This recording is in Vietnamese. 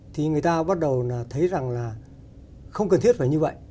thì người ta bắt đầu là thấy rằng là không cần thiết phải như vậy